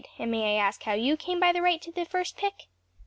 and may I ask how you came by the right to the first pick?"